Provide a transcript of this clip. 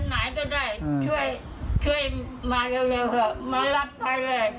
ช่วยมาเร็วเหอะมารับไปเลย